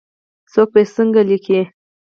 څوک به یې څنګه لیکي ؟